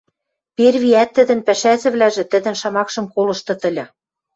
Первиӓт тӹдӹн пӓшӓзӹвлӓжӹ тӹдӹн шамакшым колыштыт ыльы.